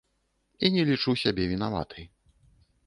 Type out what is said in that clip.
І не лічу сябе вінаватай.